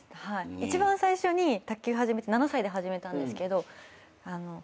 一番最初に卓球始めて７歳で始めたんですけど。